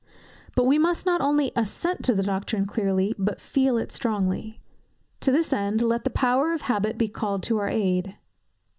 But we must not only assent to the doctrine clearly, but feel it strongly. To this end, let the power of habit be called in to our aid.